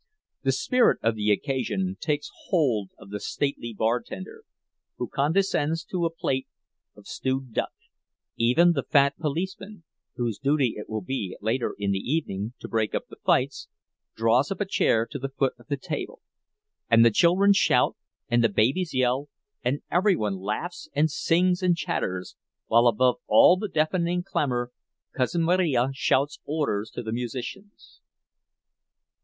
The spirit of the occasion takes hold of the stately bartender, who condescends to a plate of stewed duck; even the fat policeman—whose duty it will be, later in the evening, to break up the fights—draws up a chair to the foot of the table. And the children shout and the babies yell, and every one laughs and sings and chatters—while above all the deafening clamor Cousin Marija shouts orders to the musicians.